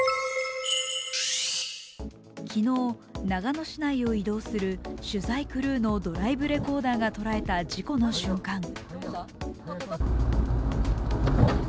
昨日、長野市内を移動する取材クルーのドライブレコーダーが捉えた事故の瞬間。